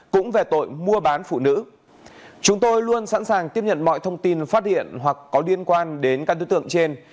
cũng về tội mua bán phụ nữ chúng tôi luôn sẵn sàng tiếp nhận mọi thông tin phát hiện hoặc có liên quan đến các đối tượng trên